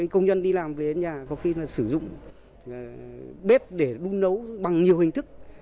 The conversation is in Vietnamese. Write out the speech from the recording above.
công nhân đi làm về nhà có khi sử dụng bếp để đun nấu bằng nhiều hình thức